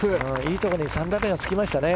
いいところに３打目をつけました。